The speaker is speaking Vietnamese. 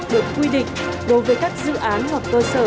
được quy định đối với các dự án hoặc cơ sở